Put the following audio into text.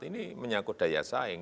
ini menyangkut daya saing